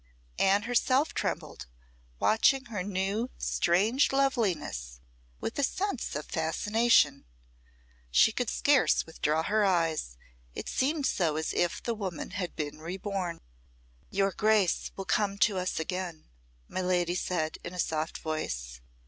Anne herself trembled, watching her new, strange loveliness with a sense of fascination; she could scarce withdraw her eyes, it seemed so as if the woman had been reborn. "Your Grace will come to us again," my lady said, in a soft voice.